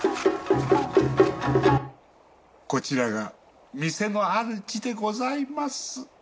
こちらが店の主でございます。